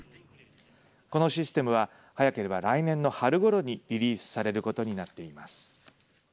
このシステムは早ければ来年の春ごろにリリースされることになっています。